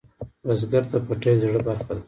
بزګر ته پټی د زړۀ برخه ده